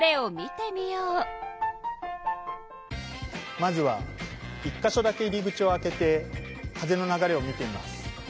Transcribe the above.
まずは１か所だけ入り口を開けて風の流れを見てみます。